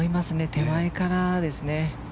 手前からですね。